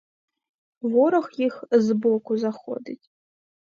Ворог їх збоку заходить.